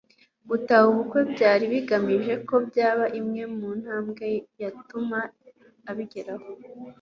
Gutaha ubukwe byari bigamije ko byaba imwe mu ntabwe yatuma abigeraho.